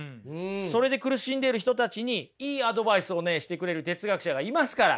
それで苦しんでいる人たちにいいアドバイスをしてくれる哲学者がいますから。